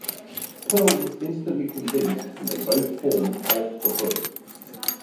Pearl was instantly convinced and they both formed Off the Hook.